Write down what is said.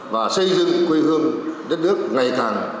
và xây dựng quê hương đất nước ngày càng